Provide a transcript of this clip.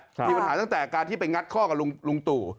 มีปัญหาตั้งแต่การที่ไปงัดข้อกับลุงตู่